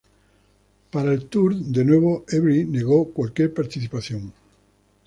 Para el tour, de nuevo Avery negó cualquier participación.